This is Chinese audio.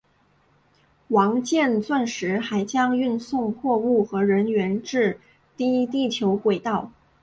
王剑钻石还将运送货物和人员至低地球轨道。